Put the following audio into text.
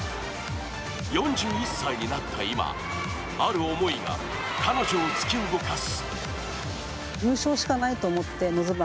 ４１歳になった今ある思いが彼女を突き動かす。